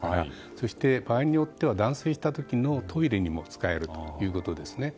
そして場合によっては断水した時のトイレにも使えるということですね。